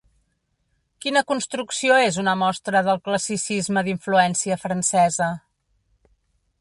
Quina construcció és una mostra del classicisme d'influència francesa?